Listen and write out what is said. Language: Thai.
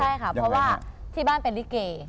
ใช่ค่ะเพราะว่าที่บ้านเป็นลิเก